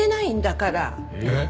えっ？